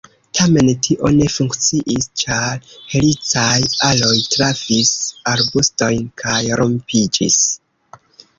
Tamen tio ne funkciis, ĉar helicaj aloj trafis arbustojn kaj rompiĝis.